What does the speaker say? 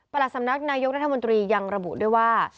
หลักสำนักนายกรัฐมนตรียังระบุด้วยว่า